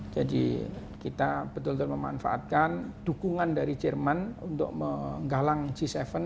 jadi kita betul betul memanfaatkan dukungan dari jerman untuk menggalang g tujuh